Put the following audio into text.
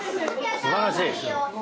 すばらしい！